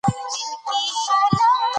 د ایران پاچا پر کندهار برید وکړ.